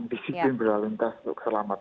di sisi berdalur lintas untuk selamat